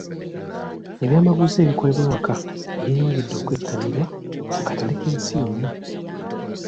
Ebyamaguzi ebikolebwa ewaka byeyongedde okwettanirwa ku katale k'ensi yonna.